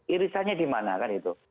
irisannya di mana kan itu